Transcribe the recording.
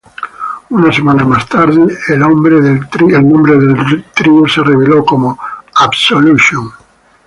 Una semana más tarde, el nombre del trío se reveló como Absolution.